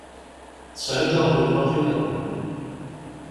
Tesεiḍ aɣbel waqila?